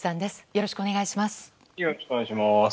よろしくお願いします。